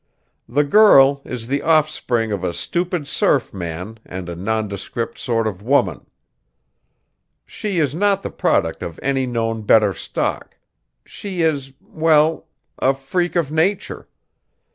The girl is the offspring of a stupid surf man and a nondescript sort of woman. She is not the product of any known better stock; she is, well, a freak of nature!